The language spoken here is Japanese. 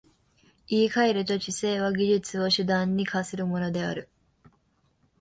言い換えると、知性は技術を手段に化するのである。